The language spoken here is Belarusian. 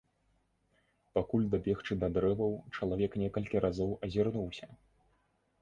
Пакуль дабегчы да дрэваў, чалавек некалькі разоў азірнуўся.